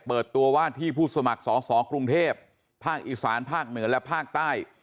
เปิดตัวว่าที่ผู้สมัครสอสอกรุงเทพภาคอีสานภาคเหนือและภาคใต้